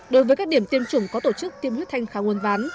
đối với các điểm tiêm chủng có tổ chức tiêm huyết thanh kháng nguồn ván